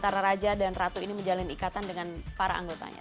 karena raja dan ratu ini menjalin ikatan dengan para anggotanya